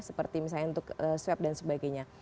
seperti misalnya untuk swab dan sebagainya